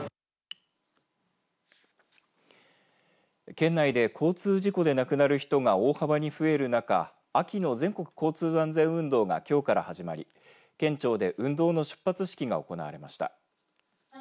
県内で交通事故で亡くなる人が大幅に増える中秋の全国交通安全運動がきょうから始まり県庁で運動の出発式が行われました。